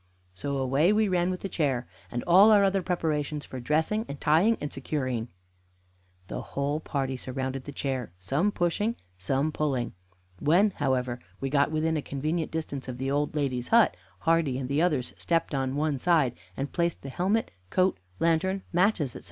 So away we ran with the chair, and all our other preparations for dressing and tying and securing. The whole party surrounded the chair, some pushing, some pulling. When, however, we got within a convenient distance of the old lady's hut, Hardy and the others stepped on one side, and placed the helmet, coat, lantern, matches, etc.